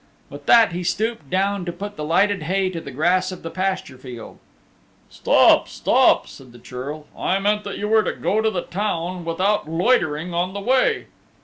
With that he stooped down to put the lighted hay to the grass of the pasture field. "Stop, stop," said the Churl, "I meant that you were to go to the town, without loitering on the way."